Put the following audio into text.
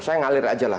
saya ngalir aja lah